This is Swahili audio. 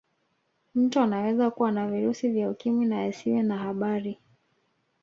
Mtu anaweza kuwa na virusi vya ukimwi na asiwe na habari